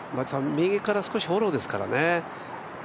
右から少しフォローですからね。